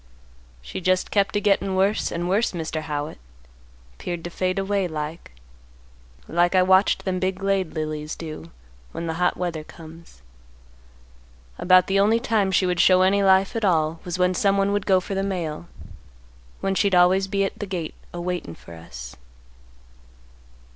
"She just kept a gettin' worse and worse, Mr. Howitt; 'peared to fade away like, like I watched them big glade lilies do when the hot weather comes. About the only time she would show any life at all was when someone would go for the mail, when she'd always be at the gate a waitin' for us.